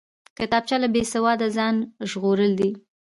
کتابچه له بېسواده ځان ژغورل دي